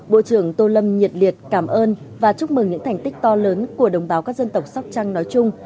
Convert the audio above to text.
bộ trưởng tô lâm nhiệt liệt cảm ơn và chúc mừng những thành tích to lớn của đồng bào các dân tộc sóc trăng nói chung